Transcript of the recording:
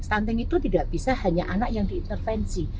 stunting itu tidak bisa hanya anak yang diintervensi